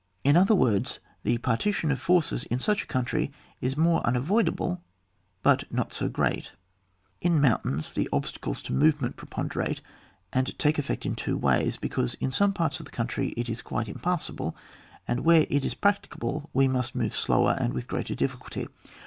in other words, the partition of forces in such a country is more unavoidable but not so great In mountains, the obstacles to move ment preponderate and take effect in two ways, because in some parts the country is quite impassable, and where it is prac ticable we must move slower and with greater difficulty.